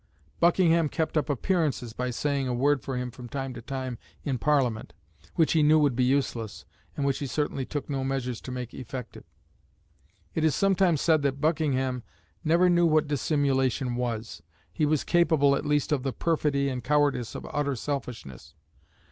Buckingham kept up appearances by saying a word for him from time to time in Parliament, which he knew would be useless, and which he certainly took no measures to make effective. It is sometimes said that Buckingham never knew what dissimulation was. He was capable, at least, of the perfidy and cowardice of utter selfishness.